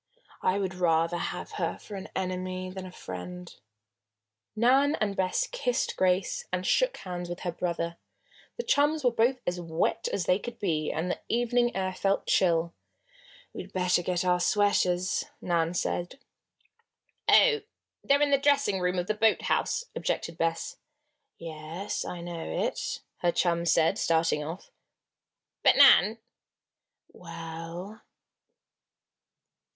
I would rather have her for an enemy than a friend." Nan and Bess kissed Grace and shook hands with her brother. The chums were both as wet as they could be, and the evening air felt chill. "We'd better get our sweaters," Nan said. "Oh! they're in the dressing room of the boathouse," objected Bess. "Yes, I know it," her chum said, starting off. "But, Nan!" "Well?"